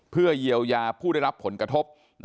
เพื่อเยียวยาผู้ได้รับผลกระทบ